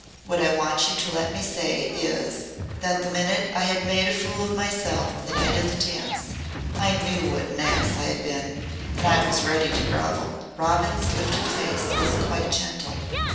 What I want you to let me say is, that the minute I had made a fool of myself the night of the dance, I knew what an ass I had been and I was ready to grovel." Robin's lifted face was quite gentle.